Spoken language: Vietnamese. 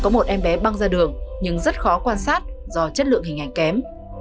có một em bé băng ra đường nhưng rất khó quan sát do chất lượng hình ảnh kém